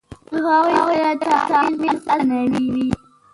له هغوی سره تعامل اسانه و.